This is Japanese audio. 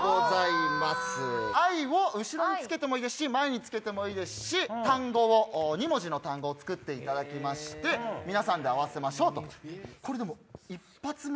「愛」を後ろに付けてもいいですし前に付けてもいいですし２文字の単語を作っていただきまして皆さんで合わせましょう。